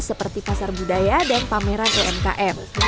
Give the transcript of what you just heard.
seperti pasar budaya dan pameran umkm